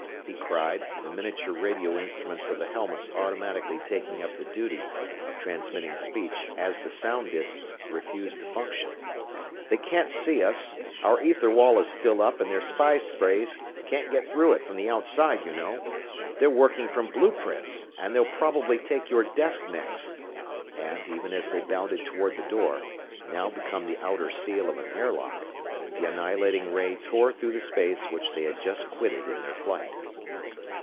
he cried, the miniature radio instruments of the helmets automatically taking up the duty of transmitting speech as the sound disks refused to function. "They can't see us our ether wall is still up and their spy sprays can't get through it from the outside, you know. They're working from blue prints, and they'll probably take your desk next," and even as they bounded toward the door, now become the outer seal of an airlock, the annihilating ray tore through the space which they had just quitted in their flight.